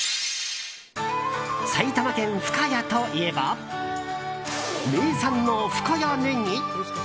埼玉県深谷といえば名産の深谷ねぎ？